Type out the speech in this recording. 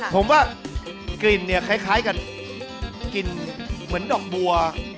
ผมว่ากลิ่นเนี่ยคล้ายกันกลิ่นเหมือนดอกบัว